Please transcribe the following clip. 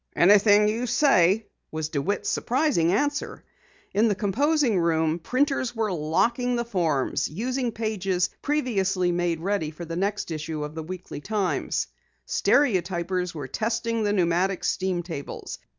"Anything you say," was DeWitt's surprising answer. In the composing room, printers were locking the forms, using pages previously made ready for the next issue of the Weekly Times. Stereotypers were testing the pneumatic steam tables.